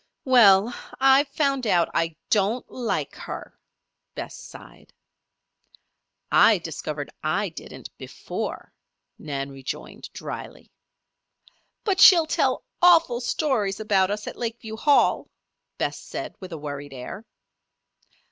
"Well, I've found out I don't like her," Bess sighed. "I discovered I didn't, before," Nan rejoined, dryly. "But she'll tell awful stories about us at Lakeview Hall," Bess said with a worried air.